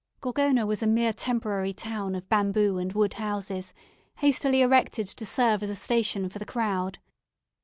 Gorgona was a mere temporary town of bamboo and wood houses, hastily erected to serve as a station for the crowd.